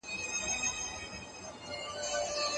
هغه وویل چې زه له خپلې مطالعې سره مینه لرم.